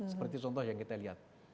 seperti contoh yang kita lihat